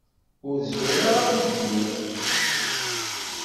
Ur zmireɣ ad t-id-iniɣ.